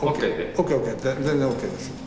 ＯＫＯＫ全然ＯＫです。